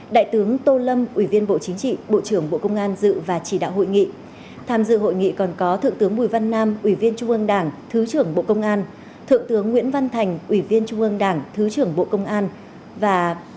đại tướng tô lâm ủy viên bộ chính trị bộ trưởng bộ công an dự và chỉ đạo hội nghị tham dự hội nghị còn có thượng tướng bùi văn nam ủy viên trung ương đảng thứ trưởng bộ công an thượng tướng nguyễn văn thành ủy viên trung ương đảng thứ trưởng bộ công an